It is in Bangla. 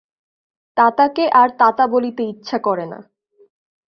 তাতাকে আর তাতা বলিতে ইচ্ছা করে না।